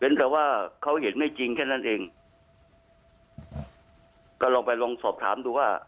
แต่ว่าเขาเห็นไม่จริงแค่นั้นเองก็ลองไปลองสอบถามดูว่า